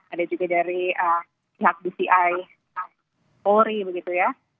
ada juga dari pihak dci polri begitu ya